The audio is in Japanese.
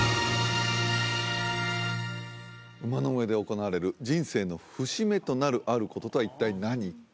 馬の上で行われる人生の節目となるあることとは一体何か？